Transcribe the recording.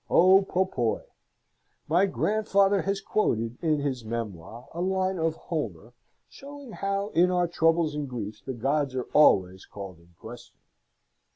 O popoi! My grandfather has quoted in his memoir a line of Homer, showing how in our troubles and griefs the gods are always called in question.